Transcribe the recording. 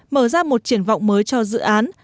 mở ra một triển vọng mới cho dự án